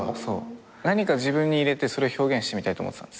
何か自分に入れてそれを表現してみたいと思ってたんです。